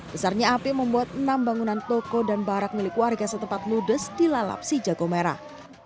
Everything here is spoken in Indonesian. besarnya api membuat enam bangunan toko dan barak milik warga setempat ludes dilalap si jago merah